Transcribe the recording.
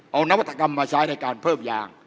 เอานวัตกรรมมาใช้ในการเพิ่มยาง